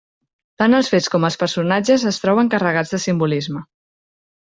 Tant els fets com els personatges es troben carregats de simbolisme.